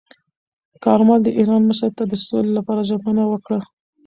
کارمل د ایران مشر ته د سولې لپاره ژمنه وکړه.